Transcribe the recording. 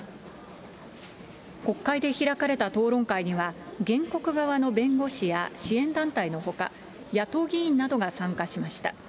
国会で開かれた討論会には、原告側の弁護士や支援団体のほか、野党議員などが参加しました。